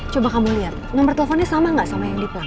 coba kamu lihat nomor teleponnya sama nggak sama yang di plan